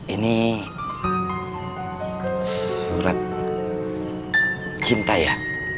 ini surat cinta ya